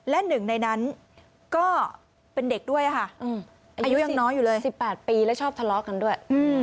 และหนึ่งในนั้นก็เป็นเด็กด้วยค่ะอายุยังน้อยอยู่เลย๑๘ปีแล้วชอบทะเลาะกันด้วย